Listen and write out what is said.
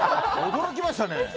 驚きましたね。